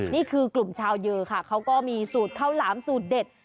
นี่คือกลุ่มชาวเยอค่ะเขาก็มีสูตรข้าวหลามสูตรเด็ด